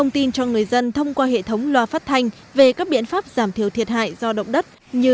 tin cho người dân thông qua hệ thống loa phát thanh về các biện pháp giảm thiểu thiệt hại do động đất như